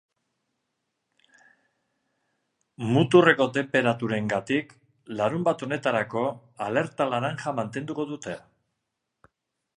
Muturreko tenperaturengatik larunbat honetarako alerta laranja mantendu dute.